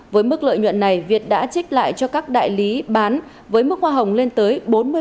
với mức lợi nhuận này việt đã trích lại cho các đại lý bán với mức hoa hồng lên tới bốn mươi